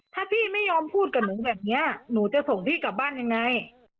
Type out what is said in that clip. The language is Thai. ถ้าพี่ไม่ยอมพูดกับหนูแบบนี้หนูจะส่งพี่กลับบ้านยังไง